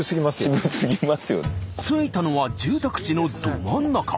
着いたのは住宅地のど真ん中。